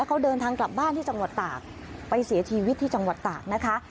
เขาเดินทางกลับบ้านที่จังหวัดตากไปเสียชีวิตที่จังหวัดตากนะคะ